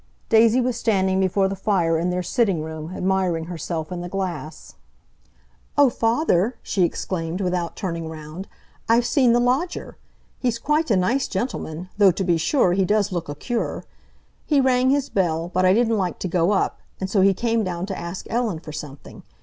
Daisy was standing before the fire in their sitting room, admiring herself in the glass. "Oh, father," she exclaimed, without turning round, "I've seen the lodger! He's quite a nice gentleman, though, to be sure, he does look a cure. He rang his bell, but I didn't like to go up; and so he came down to ask Ellen for something.